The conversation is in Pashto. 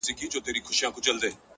اخلاق د باور لومړنۍ ژبه ده.!